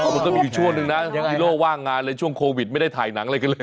มันก็มีอีกช่วงหนึ่งนะยังฮีโร่ว่างงานเลยช่วงโควิดไม่ได้ถ่ายหนังอะไรกันเลย